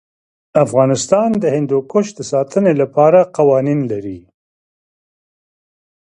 افغانستان د هندوکش د ساتنې لپاره قوانین لري.